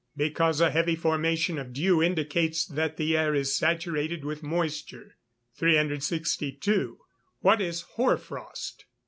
_ Because a heavy formation of dew indicates that the air is saturated with moisture. 362. _What is hoar frost?